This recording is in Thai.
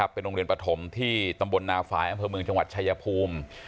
เป็นโรงเรียนปฐมที่ตำบลนาฝ่ายอำเภอเมืองจังหวัดชายภูมิ